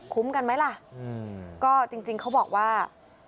คุ้มกันไหมล่ะจริงเขาบอกว่า